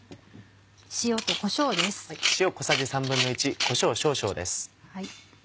塩とこしょうです。